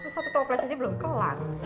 satu toples aja belum kelar